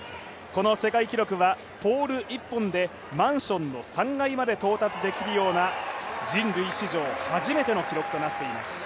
この世界記録はポール１本でマンションの３階まで到達できるような人類史上初めての記録となっています。